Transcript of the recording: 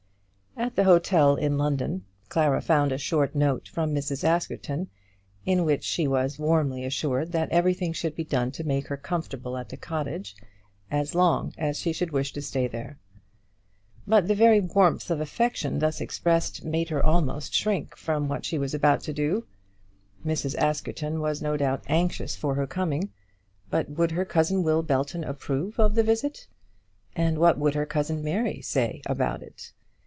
At the hotel in London Clara found a short note from Mrs. Askerton, in which she was warmly assured that everything should be done to make her comfortable at the cottage as long as she should wish to stay there. But the very warmth of affection thus expressed made her almost shrink from what she was about to do. Mrs. Askerton was no doubt anxious for her coming; but would her cousin Will Belton approve of the visit; and what would her cousin Mary say about it?